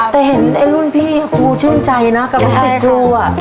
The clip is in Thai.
แต่เห็นรุ่นพี่ครูชื่นใจนะกับรู้สึกกลัว